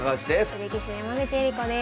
女流棋士の山口恵梨子です。